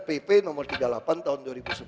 pp nomor tiga puluh delapan tahun dua ribu sebelas